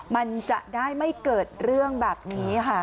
มันจะได้ไม่เกิดเรื่องแบบนี้ค่ะ